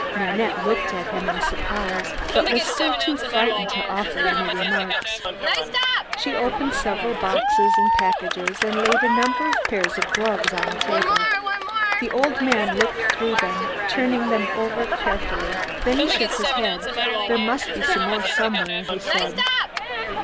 Nanette looked at him in surprise but was still too frightened to offer any remarks. She opened several boxes and packages and laid a number of pairs of gloves on the table. The old man looked through them, turning them over carefully. Then he shook his head: "There must be some more somewhere," he said.